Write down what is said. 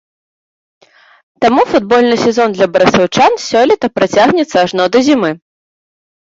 Таму футбольны сезон для барысаўчан сёлета працягнецца ажно да зімы.